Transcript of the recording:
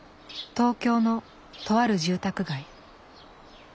東京のとある住宅街。